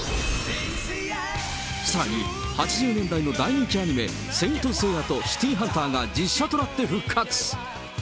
さらに８０年代の大人気アニメ、聖闘士星矢とシティーハンターが実写となって復活。